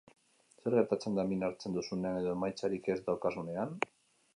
Zer gertatzen da min hartzen duzunean edo emaitzarik ez daukazunean?